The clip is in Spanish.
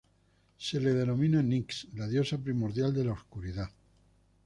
Se la denomina Nix, la diosa primordial de la oscuridad.